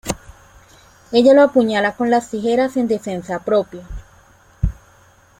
Ella lo apuñala con las tijeras en defensa propia.